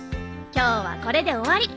今日はこれで終わり。